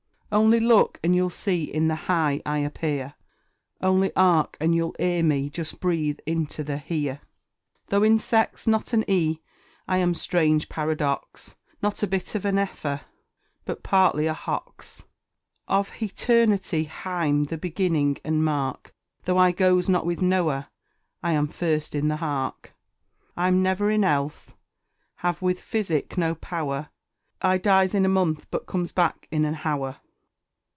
Only look, and you'll see in the Heye I appear, Only 'ark, and you'll 'ear me just breathe in the Hear; Though in sex not an 'E, I am (strange paradox!) Not a bit of an 'Eifer, but partly a Hox. Of Heternity Hi'm the beginning! And, mark, Though I goes not with Noah, I am first in the Hark. I'm never in 'Ealth have with Fysic no power; I dies in a Month, but comes back In a Hour!